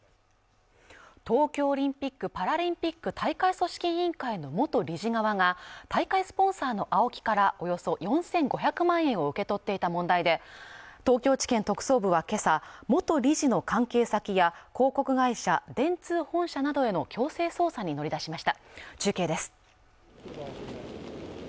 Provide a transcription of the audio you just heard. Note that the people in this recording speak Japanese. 東京オリンピック・パラリンピック大会組織委員会の元理事側が大会スポンサーのＡＯＫＩからおよそ４５００万円を受け取っていた問題で東京地検特捜部は今朝元理事の関係先や広告会社電通本社などへの強制捜査に乗り出しました中継です